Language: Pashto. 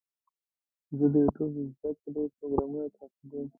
زه د یوټیوب زده کړې پروګرامونه تعقیبوم.